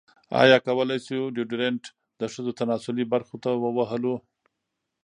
ایا کولی شو ډیوډرنټ د ښځو تناسلي برخو ته ووهلو؟